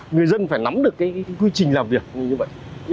người dân phải nắm được cái quy trình làm việc như vậy